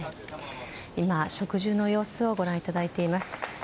今、植樹の様子をご覧いただいています。